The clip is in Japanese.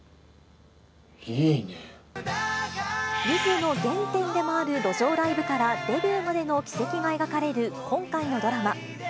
ゆずの原点でもある路上ライブからデビューまでの軌跡が描かれる今回のドラマ。